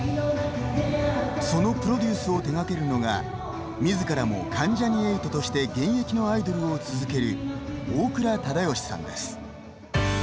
そのプロデュースを手がけるのがみずからも関ジャニ∞として現役のアイドルを続ける大倉忠義さんです。